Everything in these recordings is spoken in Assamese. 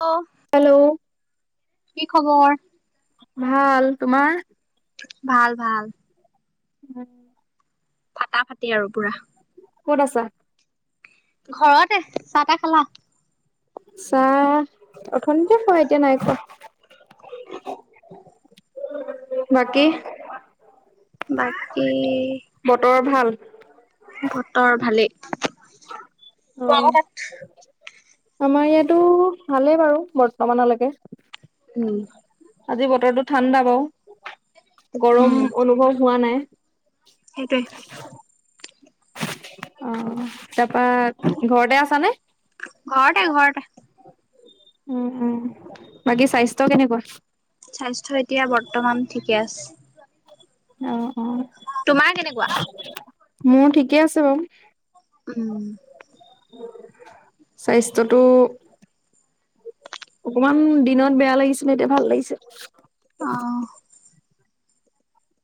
হেল্ল' হেল্ল' কি খবৰ ভাল তোমাৰ ভাল ভাল উম ফাটা ফাটি আৰু পুৰা ক'ত আছা ঘৰতে চাহ তাহ খালা চাহ অথনীতি খোৱা এতিয়া নাই খোৱা বাকী বাকী বতৰ ভাল বতৰ ভালেই অহ আমাৰ ইয়াতো ভালেই বাৰু বৰ্তমানলৈকে উম আজি বতৰটো ঠাণ্ডা বাও উম গৰম অনুভৱ হোৱা নাই সেইটোৱে অ, তাৰপা ঘৰতে আছা নে? ঘৰতে, ঘৰতে। উম, উম, বাকী স্বাস্থ্য কেনেকুৱা? স্বাস্থ্য এতিয়া বৰ্তমান ঠিকে আছে। অ, অ। তোমাৰ কেনেকুৱা? মোৰ ঠিকে আছে বাৰু। উম। স্বাস্থ্যটো অকমান দিনত বেয়া লাগিছিলে এতিয়া ভাল লাগিছে। অ।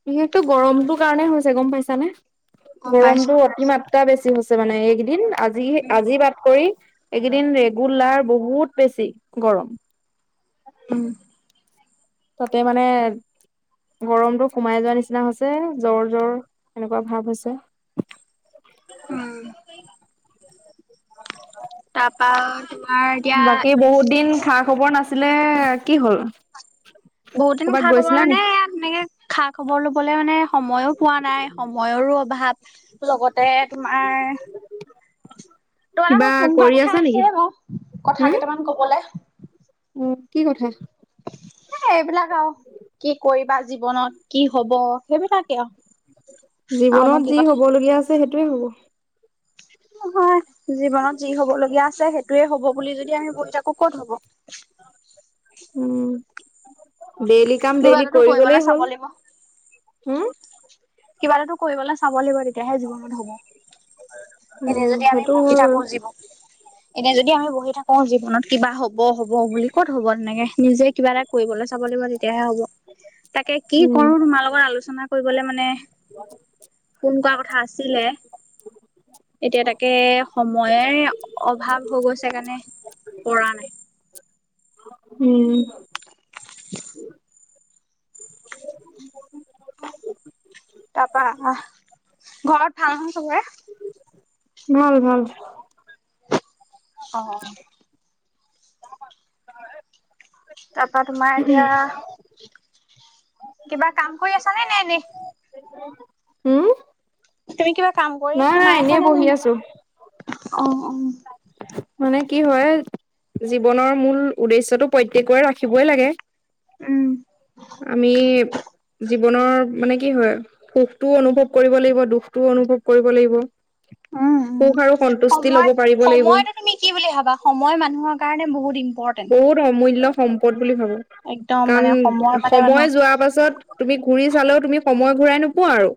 বিশেষটো গৰমটোৰ কাৰণে হৈছে গম পাইছানে? গম পাইছো গৰমটো অতিমাত্ৰা টা বেছি হৈছে মানে এইকেইদিন আজি আজি বাদ কৰি এইকেইদিন ৰেগুলাৰ বহুত বেছি, গৰম। উম। ত'তে মানে গৰমটো সোমাই যোৱা নিচিনা হৈছে জ্বৰ জ্বৰ এনেকোৱা ভাৱ হৈছে। উম। তাৰপা তোমাৰ এতিয়া বাকী বহুত দিন খা খবৰ নাছিলে কি হ'ল? বহুত দিন কৰ'বাত খা খবৰ গৈছিলা নি মানে, এয়া তেনেকে খা খবৰ ল'বলে মানে সময়ো পোৱা নাই, সময়ৰো অভাৱ। লগতে তোমাৰ তোমাকে কিবা মোৰ ফোন কৰাৰ কৰি কথা আছা নেকি আছিলেই বাৰু কথা হম কেইটামান ক'বলে। উম, কি কথা? এ, এইবিলাক আৰু কি কৰিবা জীৱনত? কি হ'ব? সেইবিলাকে আৰু। আৰুনো জীৱনত কি যি কথা হ'বলগীয়া আছে সেইটোয়ে হ'ব। নহয় জীৱনত যি হ'ব লগীয়া আছে সেইটোয়ে হ'ব বুলি যদি আমি বহি থাকো ক'ত হ'ব। উম, ডেইলি কাম কিবা ডেইলি এটাতো কৰি কৰিবলৈ গলেই চাব হ'ল, লাগিব হম। কিবা এটাতো কৰিবলে চাব লাগিব তেতিয়াহে জীৱনত হ'ব। এনে উম যদি আমি সেইটো বহি হয় থাকো বাৰু জীৱন এতিয়া যদি আমি বহি থাকো জীৱনত কিবা হ'ব হ'ব বুলি ক'ত হ'ব তেনেকে, নিজে কিবা এটা কৰিবলে চাব লাগিব তেতিয়াহে হ'ব, তাকে কি কৰো উম তোমাৰ লগত আলোচনা কৰিবলে মানে, ফোন কৰা কথা আছিলে। এতিয়া তাকে সময়ে অভাৱ হৈ গৈছে কাৰণে পৰা নাই। উম। তাৰপা, আহ, ঘৰত ভাল নহয় চবৰে? ভাল, ভাল। অ', অ। তাৰ পৰা তোমাৰ এতিয়া, কিবা কাম কৰি আছানে নে এনেই? উম তুমি কিবা কাম কৰি নাই নাই সোমাই এনেই আছানে বহি নাই? আছো অ, অ। মানে কি হয়, জীৱনৰ মূল উদ্দেশ্যটো প্ৰত্যেকৰ ৰাখিবই লাগে। উম, আমি জী জীৱনৰ মানে কি হয় সুখটোও অনুভৱ কৰিব লাগিব দুখটোও অনুভৱ কৰিব লাগিব। উম, উম। সুখ আৰু সন্তুষ্টি সময় ল'ব পাৰিব লাগিব। সময়টো তুমি কি বুলি ভাবা, সময় মানুহৰ কাৰণে বহুত ই বহুত অমূল্য সম্পদ বুলি ভাবোঁ। একদম মানে কাৰণ মানে সময় মানুহক যোৱাৰ পাছত তুমি ঘূৰি চালেও তুমি সময় ঘূৰাই নোপোৱা আৰু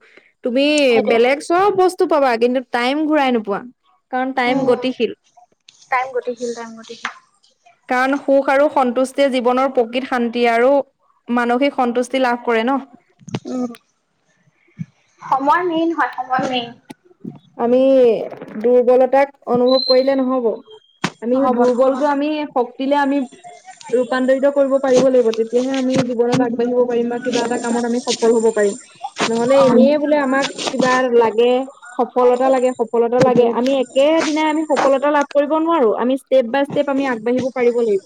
তুমি সেইটোৱে। বেলেগ চ'ব বস্তু পাবা কিন্তু টাইম ঘূৰাই নোপোৱা কাৰণ টাইম উম, গতিশীল। টাইম গতিশীল টাইম গতিশীল। কাৰণ সুখ আৰু সন্তুষ্টিয়ে জীৱনৰ প্ৰকৃত শান্ত শান্তি আৰু মানসিক সন্তুষ্টি লাভ কৰে ন'। উমঁ' সময় মেইন হয় সময় মেইন। আমি দুৰ্বলতাক অনুভৱ কৰিলে নহ'ব। আমি হ'ব হ'ব। দুৰ্বলতো আমি শক্তিলে আমি ৰূপান্তৰিত কৰিব পাৰিব লাগিব। তেতিয়াহে আমি জীৱনত আগবাঢ়িব পাৰিম বা কিবা এটা কামত আমি সফল হ'ব পাৰিম। নহ'লে এনেই অ', বোলে আমাক কিবা এটা লাগে। পাৰিব সফলতা লাগিব। লাগে সফলতা লাগে। আমি একেদিনাই আমি সফলতা লাভ কৰিব নোৱাৰো। আমি ষ্টেপ বাই ষ্টেপ আমি আগবাঢ়িব পাৰিব লাগিব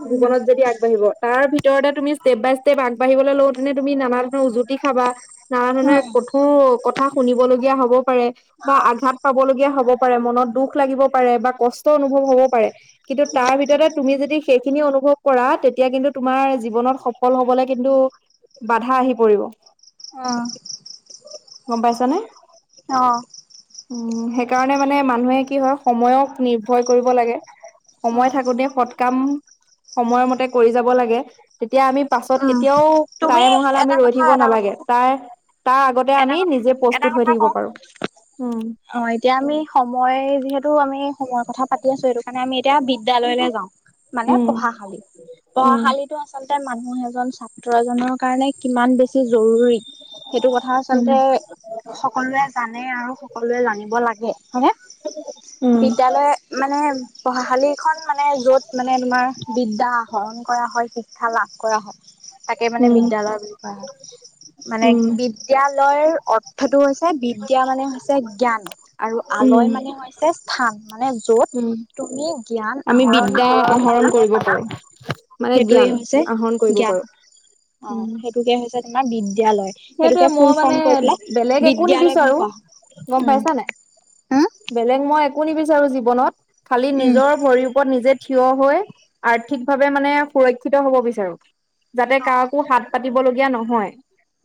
উম, জীৱনত যদি আগবাঢ়িব। তাৰ ভিতৰতে তুমি ষ্টেপ বাই ষ্টেপ আগবাঢ়িবলৈ লওঁ তেনে তুমি নানা ধৰণৰ উজুতি খাবা। নানা ধৰণে কঠোৰ কথা শুনিবলগীয়া হ'ব পাৰে বা আঘাত পাবলগীয়া হ'ব পাৰে, মনত দুখ লাগিব পাৰে বা কষ্ট অনুভৱ হ'ব পাৰে। কিন্তু তাৰ ভিতৰতে তুমি যদি সেইখিনি অনুভৱ কৰা তেতিয়া কিন্তু তোমাৰ জীৱনত সফল হ'বলৈ কিন্তু বাধা আহি পৰিব। অঁ' গম অঁ। উমঁ' সেইকাৰণে মানে মানুহে কি হয় সময়ক নিৰ্ভৰ কৰিব লাগে। সময় থাকোতে সৎ কাম সময়ৰ মতে কৰি যাব লাগে। তেতিয়া আমি পাছত কেতিয়াও তুমি টাইম অহালৈ আমি এটা ৰৈ কথা থাকিব এটা কথা নালাগে। টাইম তাৰ আগ তে এটা আমি কথা নিজে প্ৰস্তুত হৈ থাকিব পাৰোঁ। অঁ' এতিয়া আমি সময় যিহেতু আমি সময়ৰ কথা পাতি আছো সেইটো কাৰণে আমি এতিয়া বিদ্যালয়লৈ যাওঁ। মানে উম পঢ়াশালী। উম পঢ়াশালীটো আচলতে মানুহ এজন ছাত্ৰ এজনৰ কাৰণে কিমান বেছি জৰুৰী সেইটো কথা। কথা উম আচলতে সকলোৱে জানে আৰু সকলোৱে জানিব লাগে, হয়নে? উম বিদ্যালয় মানে পঢ়াশালিখন মানে য'ত মানে তোমাৰ বিদ্যা আহৰণ কৰা হয়- শিক্ষা লাভ কৰা হয় তাকে মানে উম বিদ্যালয় বুলি কোৱা হয়। মানে উম বি বিদ্যালয়ৰ অৰ্থটো হৈছে বিদ্যা মানে হৈছে জ্ঞান। আৰু উম আলয় মানে হৈছে স্থান মানে য'ত উম তুমি জ্ঞান আমি আহৰণ বিদ্যা কৰিব পাৰা। [unintelligible] সেইটোৱে জ্ঞান হৈছে আহৰণ কৰিব জ্ঞান। পাৰো অঁ' সেইটোকে হৈছে তোমাৰ বিদ্যয়ালয়। সেইটোৱে, মই মানে বেলেগ একো বিদ্যালয় নিবিছো। বুলি কোৱা হয় গম উম পাইছা নাই? উম বেলেগ মই একো নিবিচাৰো জীৱনত খালি উম নিজৰ ভৰিৰ ওপৰত নিজে থিয় হৈ আৰ্থিকভাৱে মানে সুৰক্ষিত হ'ব বিচাৰো যাতে কাকো হাত পাতিব লগগীয়া নহয়।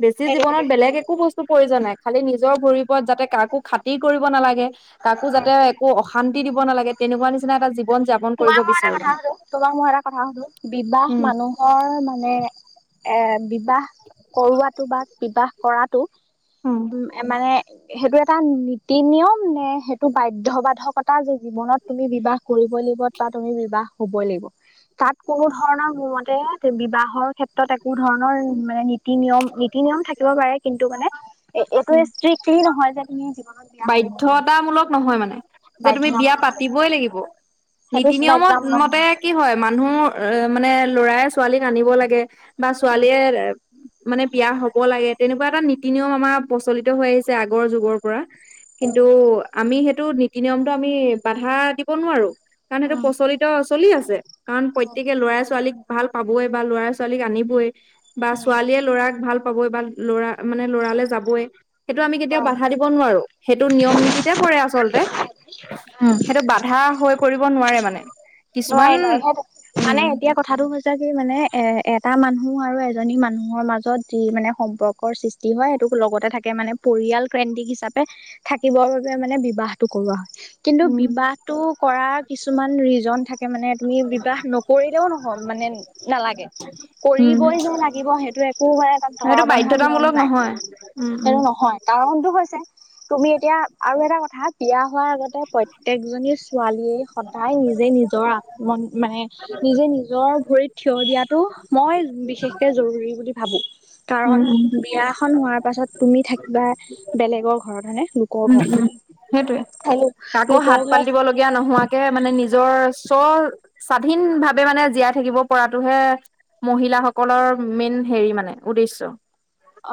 বেছি সেইটোৱে জীৱনত সেইটোৱে বেলেগ একো বস্তু প্ৰয়োজন নাই। খালি নিজৰ ভৰিৰ ওপৰত যাতে কাকো খাতিৰ কৰিব নালাগে, কাকো যাতে কাকো অশান্তি দিব নালাগে। তেনেকুৱা নিচিনা এটা জীৱন যাপন কৰিব তোমাক মই এটা বিচাৰো কথা মানে। সোধো তোমাক মই এটা কথা সোধো। বিবাহ উম মানুহ এৰ মানে এ বিবাহ কৰোৱাটো বা বিবাহ কৰাটো উম। মানে সেইটো এটা নীতি নিয়ম নে সেইটো বাধ্যবাধকতা যে জীৱনত তুমি বিবাহ কৰিবই লাগিব? তুমি বিবাহ হবই লাগিব। তাত কোনো ধৰণৰ মোৰ মতে বিবাহৰ ক্ষেত্ৰত ক্ষেত্ৰত একো ধৰণৰ মানে নীতি নিয়ম নীতি নিয়ম থাকিব পাৰে, কিন্তু মানে এ এইটো উম। ষ্ট্ৰিক্টলি নহয় যে তুমি জীৱনত বিয়া হবয়েই লাগিব। তা মূলক নহয় মানে। যে তুমি বিয়া বাধ্যতামুলক পাতিবই লাগিব। সেইটো নীতি নিয়মত বাধ্যতামুল মতে কি হয় মানুহৰ এ মানে লৰাই ছোৱালীক আনিব লাগে, বা উম ছোৱালীয়ে মানে বিয়া হ'ব লাগে, তেনেকুৱা এটা নীতি নিয়ম আমাৰ প্ৰচলিত হৈ আহিছে আগৰ যুগৰ পৰা। কিন্তু আমি সেইটো নীতি নিয়মটো আমি বাধা দিব নোৱাৰো, কাৰণ সেইটো উম প্ৰচলিত চলি আছে। কাৰণ প্ৰত্যেকে ল'ৰাই ছোৱালীক ভাল পাবই বা ল'ৰাই ছোৱালীক আনিবই। বা উম ছোৱালীয়ে ল'ৰাক ভাল পাবই বা ল'ৰা মানে ল'ৰালৈ যাবই। সেইটো আমি কেতিয়াও হয় বাধা দিব নোৱাৰো। সেইটো নিয়ম নীতিতে পৰে আচলতে, উম। সেইটো বাধা হৈ পৰিব নোৱাৰে মানে। কিছুমান নোৱাৰে নোৱাৰে হেইটো, উম মানে এতিয়া কথাটো হৈছে কি মানে এ এটা মানুহ আৰু এজনী মানুহৰ মাজত যি মানে সম্পৰ্কৰ সৃষ্টি কি হয় সেইটোক লগতে থাকে মানে পৰিয়াল কেন্দ্ৰিক হিচাপে থাকিবৰ বাবে মানে বিবাহটো কৰোৱা হয়। কিন্তু উম বিবাহটো কৰাৰ কিছুমান ৰিজন থাকে মানে। তুমি বিবাহ নকৰিলেও নহয় মানে নালাগে। উম কৰিবই যে লাগিব সেইটো একো ধৰা সেইটো বন্ধা নিয়ম বাধ্যতামূলক নাই। নহয় উম উম সেইটো নহয়। কাৰণটো হৈছে, তুমি এতিয়া আৰু এটা কথা বিয়া হোৱাৰ আগতে প্ৰত্যেয়েকজনী ছোৱালীয়ে সদায় নিজে নিজৰ আত্ম মানে নিজে নিজৰ নিজৰ ভৰিত থিয় দিয়াটো মই বিশেষকে জৰুৰী বুলি ভাবো। উম কাৰণ উম বিয়াখন হোৱাৰ পাছত তুমি থাকিবা বেলেগৰ ঘৰত। হয়নে? লোকৰ উম, ঘৰত উম সেইটোয়ে। হেল্ল কাকো লোকৰ হাত ঘৰত পাতিব লগ গীয়া নোহোৱাকে মানে নিজৰ চৰ স্বাধীন ভাৱে মানে জীয়াই থাকিব পৰাটোহে মহিলাসকলৰ মেইন হেৰি মানে উদ্দেশ্য।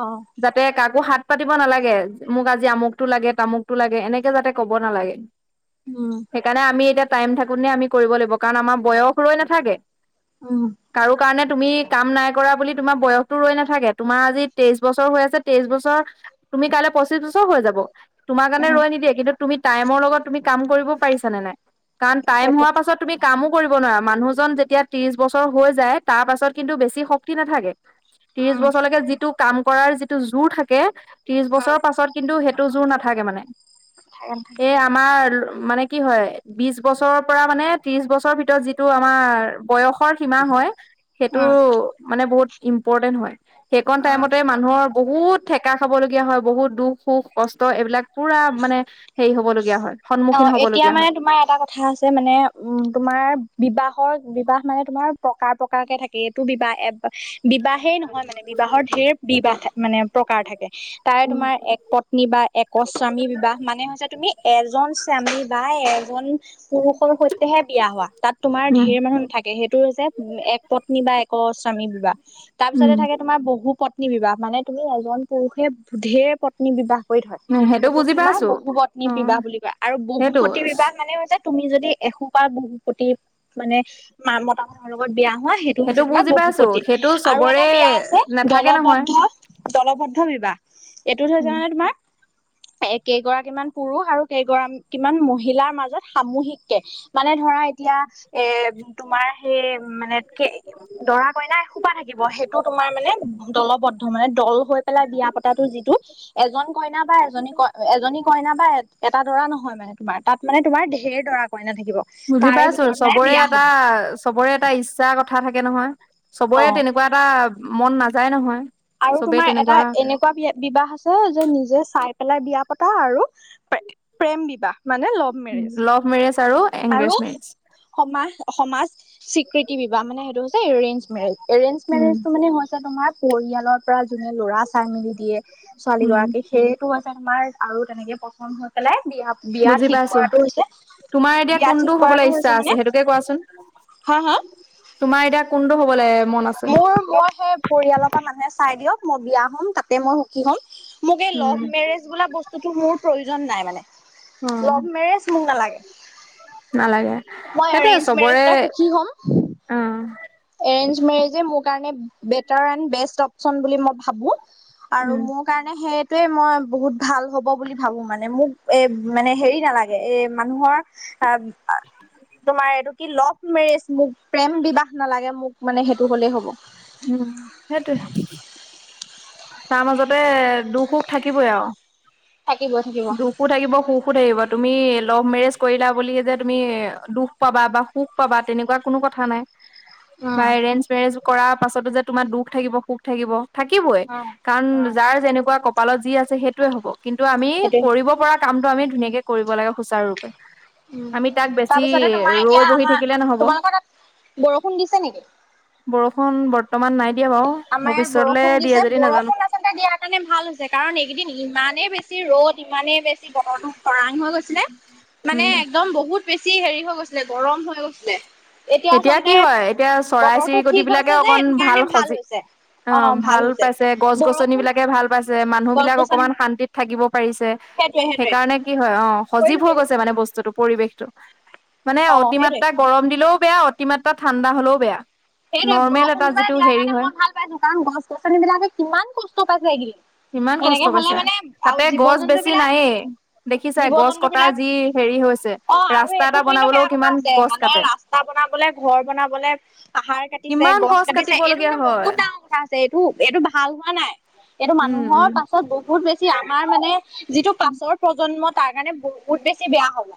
অ'। যাতে কাকো হাত পাতিব নালাগে, মোক আজি আমুক টো লাগে তামুকটো লাগে এনেকে যাতে ক'ব নালাগে। উম। সেইকাৰণে আমি এতিয়া টাইম থাকোতে আমি কৰিব লাগিব। কাৰণ আমাৰ বয়স ৰৈ নাথাকে। উম। কাৰো কাৰণে তুমি কাম নাই কৰা বুলি তোমাৰ বয়সতো ৰৈ নাথাকে। তোমাৰ আজি তেইশ বছৰ হৈ আছে তেইশ বছৰ। তুমি কাইলৈ পঁচিশ বছৰ হৈ যাব। তোমাৰ কাৰণে উম ৰৈ নিদিয়ে। কিন্তু তুমি টাইমৰ লগত তুমি কাম কৰিব পাৰিছা নে নাই কাৰণ টাইম হোৱাৰ পাছত তুমি কামো কৰিব নোৱাৰে। মানুহজনৰ যেতিয়া ত্ৰিশ বছৰ হৈ যায় তাৰ পাছত কিন্তু বেছি শক্তি নাথাকে। ত্ৰিশ বছৰলৈকে যিটো কাম কৰাৰ যিটো জোৰ থাকে ত্ৰিশ বছৰৰ পাছত কিন্তু সেই। জোৰ নাথাকে মানে উম এই। আমাৰ মানে কি হয়। বিশ বছৰৰ পৰা মানে ত্ৰিশ বছৰৰ ভিতৰত যি। টো আমাৰ বয়সৰ সীমা হয় সেইটো মানে বহুত ইম্পৰ্টেন্ট হয়। সেইকণ টাইমতে মানুহৰ বহুত ঠেকা খাবলগীয়া হয় বহুত দুখ -সুখ। কষ্ট এইবিলাক পুৰা মানে হেৰি হ'বলগীয়া হয়। অহ, সন্মুখীন এতিয়া হবলগীয়া মানে হয় তোমাৰ এটা কথা। কথা আছে মানে তোমাৰ বিবাহৰ বিবাহ মানে তোমাৰ প্ৰকাৰ প্ৰকাৰকে থাকে এইটো বিবাহ। বিবাহেই নহয় মানে। বিবাহৰ ঢেৰ বিবাহ মানে প্ৰকাৰ থাকে। তাৰে উম, তোমাৰ এক পত্নী বা একস্বামী বিবাহ মানে হৈছে তুমি এজন। আমি বাই এজনী। পুৰুষৰ সৈতেহে বিয়া হোৱা। তাত তোমাৰ ধেৰ মানুহ নাথাকে। সেইটো হৈছে এক। পত্নী বা এক স্বামী বিবাহ। তাৰ পিছতে উম, থাকে। তোমাৰ বহু পত্নী বিবাহ। মানে তুমি এজন পুৰুষে ধেৰ। পত্নী বিবাহ কৰি থয়। সেইটো সেইটোক বুজি তোমাৰ পাইছো বহু পত্নী অ বিবাহ বুলি কয়। আৰু বহু সেইটো প্ৰতি বিবাহ মানে হৈছে। তুমি যদি এসোপা বহু প্ৰতি মানে মতা। তৰ লগত বিয়া হোৱা সেইটো হৈছে তোমাৰ বুজি পাইছো বহুপতি। সেইটো আৰু চবৰে এটা বিয়া আছে নাথাকে নহয় দলবদ্ধ। দলবদ্ধ বিবাহ। এইটো হৈছে উম মানে তোমাৰ কেইগৰাকীমান পুৰুষ আৰু। কেইগৰাকীমান মহিলাৰ মাজত সামুহিককে মানে ধৰা এতিয়া এ,,,,,। তোমাৰ সেই মানে। দৰা কইনা এ খোপা থাকিব। সেইটো তোমাৰ মানে দলবদ্ধ। মানে দল হৈ পেলাই বিয়া পতা। যিটো এজন কইনা বা এজনী কইনা বা। এটা দৰা নহয়। মানে তোমাৰ তাত মানে তোমাৰ ঢেৰ দৰা কইনা থাকিব। বুজি তাৰে পাইছো ভিতৰত মানে চবৰে বিয়া এটা। হব চবৰে এটা ইচ্ছাৰ কথা থাকে নহয়। অ চবৰে তেনেকুৱা এটা মন নাযায় নহয়। আৰু চবেই তোমাৰ এটা তেনেকুৱা এনেকুৱা বিবাহ আছে। যে নিজে চাই পেলাই বিয়া পতা আৰু। প্ৰেম বিবাহ মানে। লগ্ লভ মেৰেজ আৰু এংগেজ মেৰেজ। সমাজ সমাজ স্বীকৃতি বিবাহ। মানে সেইটো হৈছে এৰেঞ্জ মেৰেজ। এৰেঞ্জ উম, মেৰেজটো মানে হৈছে তোমাৰ পৰিয়ালৰ পৰা যোনে লৰা চাই মেলি দিয়ে। ছোৱালী উম, গৰাকী সেইয়টো হৈছে তোমাৰ আৰু তেনেকে প্ৰথম হৈ পেলাই বিয়া। বিয়া বুজি ঠিক পাইছো কৰাতটো হৈছে তোমাৰ এতিয়া বিয়া কোনটো ঠিক হ'বলৈ কৰাটো ইচ্ছা হৈছে আছে মানে। সেইটোকে কোৱাচোন? হা হা। তোমাৰ এতিয়া কোনটো হব লা দৈ গ মন আছে মোৰ মই সেই পৰিয়ালৰ পৰা মানুহে চাই দিয়ক মই বিয়া হ'ম তাতে মই সুখী হ'ম মোক এই উম, লভ মেৰেজ বোলা বস্তুো মোৰ প্ৰয়োজন নাই মানে অ', লভ মেৰেজ মোক নালাগে নালাগে। মই সেইটোয়ে এৰেঞ্জ চবৰে মেৰেজতে সুখী হ'ম্ অ', এৰে ওলাইবে অ উম, ম ভ কাৰণে সেইটোৱে মই বহুত ভাল হ'ব বুলি ভাবো মানে মোক এ মানে হেৰি নালাগে এ মানুহৰ অ তোমাৰ এইটো কি লভ মেৰেজ মোক প্ৰেম বিবাহ নালাগে মোক মানে সেইটো হ'লেই হ'ব উম সেইটো তাৰ মাজতে দুখ সুখ থাকিবই আৰু থাকিব- থাকিব। দোষও থাকিব, সুখো থাকিব। তুমি লভ মেৰেজ কৰিলা বুলি যে তুমি দুখ পাবা বা সুখ পাবা তেনেকুৱা কোনো কথা নাই। [inaudible] বা এৰেঞ্জ মেৰেজ কৰা পাছতো যে তোমাৰ দুখ থাকিব, সুখ থাকিব, থাকিবই। উম কাৰণ, যাৰ যেনেকুৱা কপালত যি আছে, সেইটোৱে হ'ব। কিন্তু আমি সেইটোৱে। কৰিব পৰা কামটো আমি ধুনীয়াকে কৰিব লাগে, সুচাৰুৰূপে। উম আমি তাক তাৰ বেছি পিছতে তোমাৰ এতিয়া ৰৈ বহি আমাৰ থাকিলে নহব। তোমালোকৰ তাত বৰষুণ দিছে নেকি? বৰষুণ বৰ্তমান নাই দিয়া বাৰু। আমাৰ ইয়াত ভৱিষ্যতলে বৰষুণ দিয়ে দিছে যদি নাজানো। বৰষুণ দিয়াৰ কাৰণে ভাল হৈছে। কাৰণ এইকেইদিন ইমানেই বেছি ৰ'দ। বহুত ইমানেই বেছি বতৰটো খৰাং হৈ গৈছিলে। উম মানে একদম বহুত বেছি হেৰি হৈ গৈছিলে, গৰম হৈ গৈছিলে। এতিয়া আচলতে কি হয় এতিয়া চৰাই বতৰটো চিৰিকটি ঠিক বিলাকে হৈছে যে, অকন এইটো কাৰণে ভাল সজি হৈছে। অ, ভাল পাইছে, গছ- গছনি বৰষুণ বিলাকে ভাল পাইছে, মানুহ গছ বিলাক গছনি অকমান শান্তিত থাকিব পাৰিছে। সেইটোৱে সেইটোৱে কি হয় অ, সজীৱ কৰিলো হৈ কৰিলো গৈছে মানে বস্ত পৰিৱেশটো মানে অ সেইটোৱে অতিমাত্ৰা গৰম দিলেও বেয়া, অতিমাত্ৰা ঠাণ্ডা হলেও বেয়া। সেইটোৱে নৰ্মেল এটা বৰষুণটো মানে যিটো দিয়াৰ হেৰি কাৰণে হয় মই ভাল পাইছো। কাৰণ গছ- গছনি বিলাকে কিমান কষ্ট পাইছে এইকেইদিন। ইমান কষ্ট এনেকে হলে পাইছে। মানে আৰু তাতে জীৱ গছ জন্তু বেছি বিলাক, নায়েই দেখিছাই জীৱ গছ জন্তু কটাৰ বিলাক যি হেৰি হৈছে। অ, আৰু ৰাস্তা এইটো এটা কিন্তু বনাবলৈও বেয়া কথা কিমান হৈছে গছ মানে। কাটে ৰাস্তা বনাবলে ঘৰ বনাবলে আহাৰ কাটিছে কিমান গছ কাটিছে এইটো কাটিবলগীয়া কিন্তু হয়। বহুত ডাঙৰ কথা। আছে এইটো- এইটো ভাল হোৱা নাই, এইটো উম, মানুহৰ উম, পাছত বহুত বহুত বেছি আমাৰ মানে, যিটো পাছৰ প্ৰজন্মত তাৰ কাৰণে বহুত বেছি বেয়া হ'ল।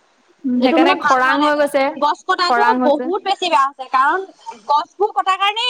উম, এইটো মানে সেইকাৰণে ভাল হোৱা খৰাং নাই হৈ মানে। গৈছে গছ কটাটো খৰাং হৈছে। বহুত বেছি বেয়া হৈছে। কাৰণ গছবোৰ কটাৰ কাৰণে